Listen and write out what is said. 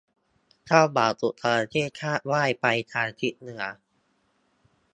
เจ้าบ่าวถูกจระเข้คาบว่ายไปทางทิศเหนือ